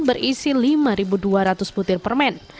berisi lima dua ratus butir permen